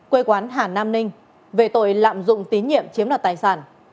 quê quán hà nam ninh về tội lạm dụng tín nhiệm chiếm đoạt tài sản